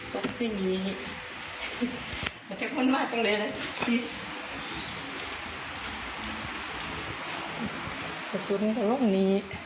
กระสุนลงนี้